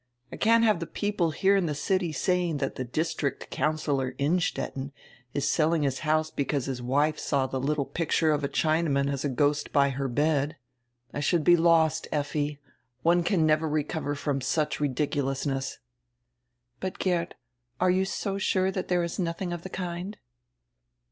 I can't have die people here in the city saying diat District Councillor Innstetten is selling his house because his wife saw die little pasted up picture of a Chinaman as a ghost by her bed. I should be lost, Effi. One can never recover from such ridiculousness." "But, Geert, are you so sure diat diere is nothing of die kind!"